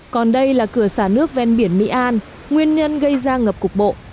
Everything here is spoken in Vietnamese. còn đây là cửa xả nước ven biển mỹ an nguyên nhân gây ra ngập cục bộ